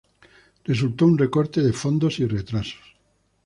Resultó en recortes de fondos y retrasos.